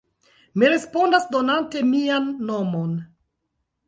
Mi respondas donante mian nomon.